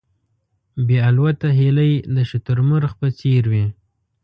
بې الوته هیلۍ د شتر مرغ په څېر وې.